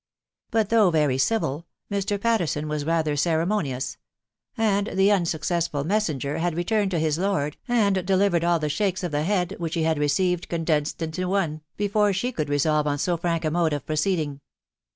But though very civil, Mr. Patterson was rather ceremonious ; and the unsuccessful messenger had re turned to his lord, and delivered all the shakes of the head which he had received condensed into one, before she could teaoivje on so frank a mode of £Toceedixi&.